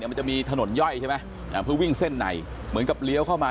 มันจะมีถนนย่อยใช่ไหมเพื่อวิ่งเส้นในเหมือนกับเลี้ยวเข้ามา